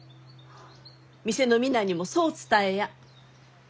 店の皆にもそう伝えや。